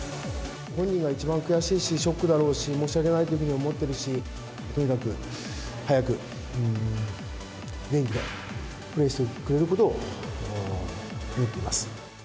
本人が一番悔しいし、ショックだろうし、申し訳ないというふうに思ってるし、とにかく早く元気でプレーしてくれることを祈っています。